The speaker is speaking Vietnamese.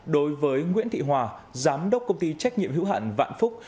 đối với nguyễn thị hòa giám đốc công ty trách nhiệm hữu hạn vạn phúc